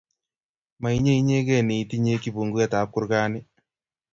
mainye inyegei ne tinye kibunguet ab kurgani